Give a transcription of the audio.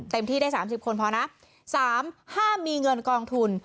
ที่ได้๓๐คนพอนะ๓ห้ามมีเงินกองทุน